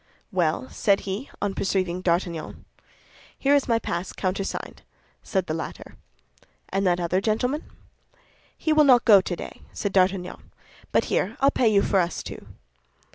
"Well?" said he, on perceiving D'Artagnan. "Here is my pass countersigned," said the latter. "And that other gentleman? "He will not go today," said D'Artagnan; "but here, I'll pay you for us two."